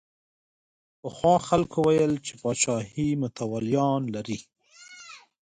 پخوا خلکو ویل چې پاچاهي متولیان لري.